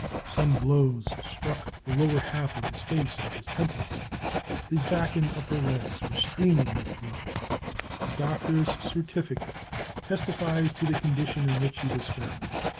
Some blow's struck the lower half of his face and his temples. His back and upper legs were streaming with blood. A doctor's certificate testifies to the condition in which he was found.